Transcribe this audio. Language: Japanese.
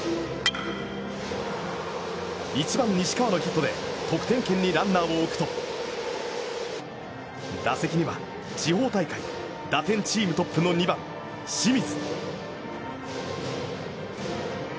１番西川のヒットで得点圏にランナーを置くと打席には地方大会打点チームトップの、２番清水。